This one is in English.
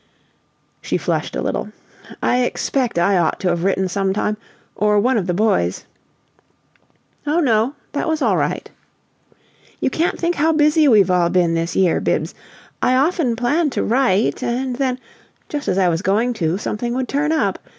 She flushed a little. "I expect I ought to've written sometime, or one of the boys " "Oh no; that was all right." "You can't think how busy we've all been this year, Bibbs. I often planned to write and then, just as I was going to, something would turn up.